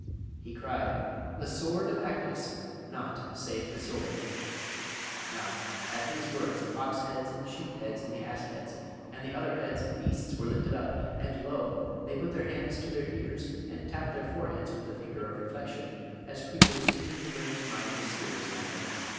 He cried, 'The Sword of Aklis! nought save the Sword!' Now, at these words the fox heads and the sheep heads and the ass heads and the other heads of beasts were lifted up, and lo! they put their hands to their ears, and tapped their foreheads with the finger of reflection, as creatures seeking to bring to mind a serious matter.